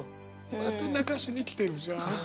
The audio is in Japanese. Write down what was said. また泣かしにきてるじゃん。